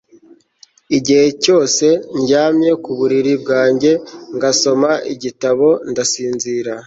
Igihe cyose ndyamye ku buriri bwanjye ngasoma igitabo ndasinzira